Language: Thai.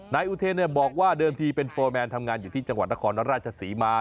นายอุเธนบอกว่าเดิมที่เป็นฟอร์แมนอยู่ที่จังหวังนะคอณราชศรีมา